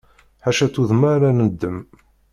Ḥaca tuddma ara neddem.